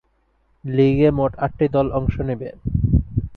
লীগে মোট আটটি দল অংশ নেবে।